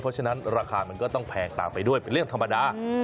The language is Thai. เพราะฉะนั้นราคามันก็ต้องแพงต่างไปด้วยเป็นเรื่องธรรมดา